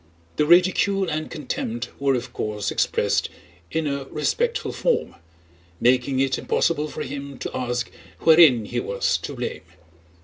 The ridicule and contempt were of course expressed in a respectful form, making it impossible for him to ask wherein he was to blame.